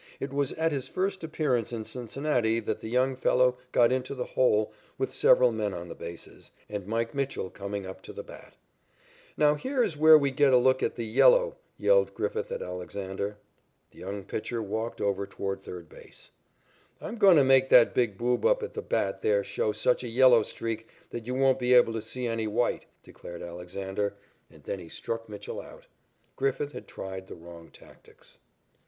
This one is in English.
It was at his first appearance in Cincinnati that the young fellow got into the hole with several men on the bases, and "Mike" Mitchell coming up to the bat. "Now here is where we get a look at the 'yellow,'" yelled Griffith at Alexander. The young pitcher walked over toward third base. "I'm going to make that big boob up at the bat there show such a 'yellow streak' that you won't be able to see any white," declared Alexander, and then he struck Mitchell out. Griffith had tried the wrong tactics.